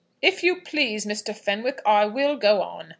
"If you please, Mr. Fenwick, I will go on.